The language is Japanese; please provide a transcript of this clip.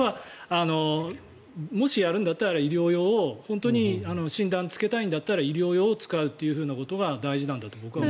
もしやるんだったら医療用を本当に診断をつけたいんだったら医療用を使うことが大事なんだと僕は思います。